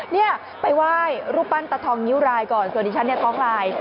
เนี่ยไปไหว้รูปปั้นตะทองนิ้วรายก่อนส่วนที่ฉันเนี่ยท้องลาย